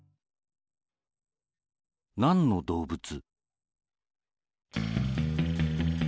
なんのどうぶつ？